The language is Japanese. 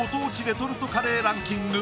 レトルトカレーランキング